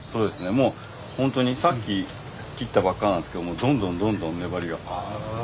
もう本当にさっき切ったばっかなんですけどどんどんどんどん粘りが。